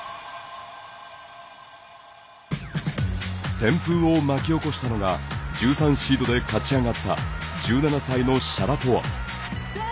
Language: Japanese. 旋風を巻き起こしたのが１３シードで勝ち上がった１７歳のシャラポワ。